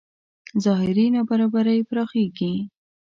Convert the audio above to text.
ظاهري نابرابرۍ پراخېږي.